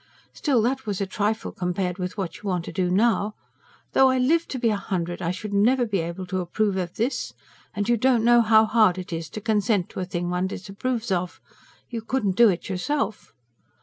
Still, that was a trifle compared with what you want to do now. Though I lived to a hundred I should never be able to approve of this. And you don't know how hard it is to consent to a thing one disapproves of. You couldn't do it yourself.